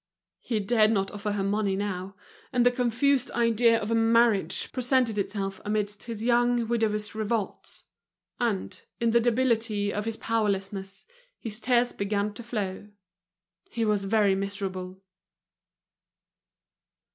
He dared not offer her money now; and the confused idea of a marriage presented itself amidst his young widower's revolts. And, in the debility of his powerlessness, his tears began to flow. He was very miserable.